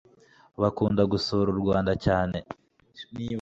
bakunda gusura urwanda cyane